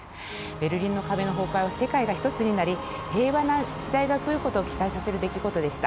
ベルリンの壁の崩壊は世界が一つになり平和な時代が来ることを期待させる出来事でした。